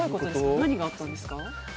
何があったんですか？